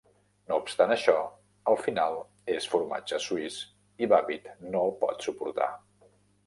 No obstant això, al final és formatge suís i Babbit no el pot suportar.